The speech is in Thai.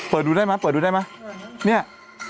เปิดดูได้มั้ยเปิดดูได้มั้ยเนี่ย